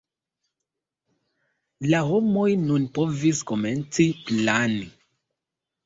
La homoj nun povis komenci plani.